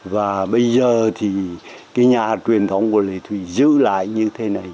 và bây giờ thì cái nhà truyền thống của lê thủy giữ lại như thế này